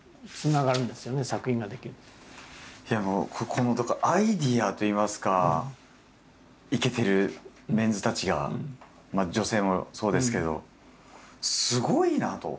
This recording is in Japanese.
このアイデアといいますかいけてるメンズたちが女性もそうですけどすごいなあと。